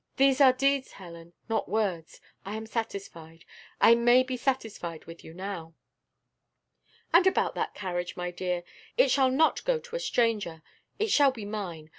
These are deeds, Helen, not words: I am satisfied I may be satisfied with you now! "And about that carriage, my dear, it shall not go to a stranger, it shall be mine.